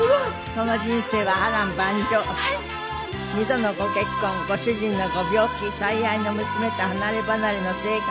２度のご結婚ご主人のご病気最愛の娘と離ればなれの生活